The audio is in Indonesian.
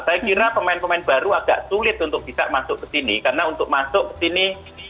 saya kira pemain pemain baru agak sulit untuk bisa masuk ke sini karena untuk masuk ke sini